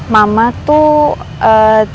mama tuh tiba tiba ada kerja mendadak